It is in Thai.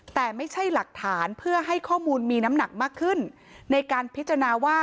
แต่ไม่ใช่หลักฐานเพื่อให้ข้อมูลมีน้ำหนักมากขึ้นในการพิจารณาว่า